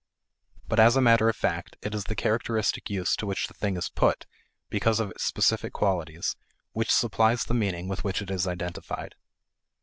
But as matter of fact, it is the characteristic use to which the thing is put, because of its specific qualities, which supplies the meaning with which it is identified.